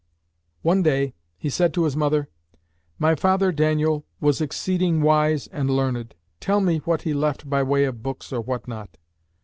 One day, he said to his mother, "My father Daniel was exceeding wise and learned; tell me what he left by way of books or what not!"